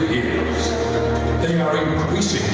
mereka lebih banyak diperbincangkan